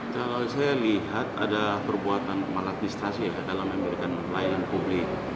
kalau saya lihat ada perbuatan malatistasi dalam memiliki pelayanan publik